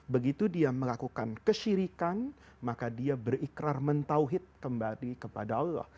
begitu dia melakukan kata allah itu akan berlari kepadanya